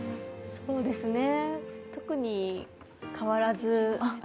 そうですね、特に変わらず。